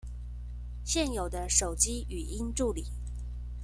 現有的手機語音助理